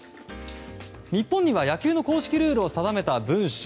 日本には野球の公式ルールを定めた文書